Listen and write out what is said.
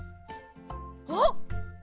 あっ！